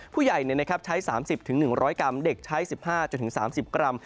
ผู้ใหญ่ใช้๓๐๑๐๐กรัมเด็กใช้๑๕๓๐กรัม